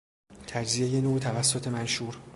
تجزیهی نور توسط منشور